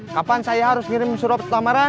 kapan saya harus ngirim surat lamaran